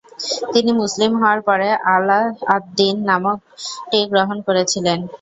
তিনি মুসলিম হওয়ার পরে আলা-আদ-দ্বীন নামটি গ্রহণ করেছিলেন।